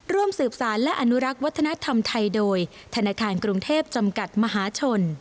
ร่วมสืบสารและอนุรักษ์วัฒนธรรมไทยโดยธนาคารกรุงเทพจำกัดมหาชน